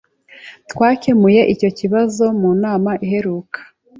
Twakemuye icyo kibazo mu nama iheruka.